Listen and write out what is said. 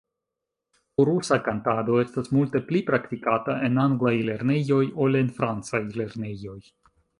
Korusa kantado estas multe pli praktikata en anglaj lernejoj ol en francaj lernejoj.